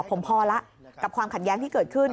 ผมพอแล้วกับความขัดแย้งที่เกิดขึ้น